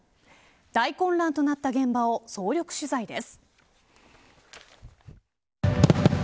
大混乱となった現場を総力取材です。